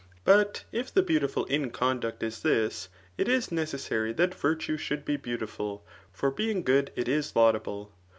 But if the beautiful in conduct is this, it is necessary that virtue should be beau tiful; for being good it is laudable.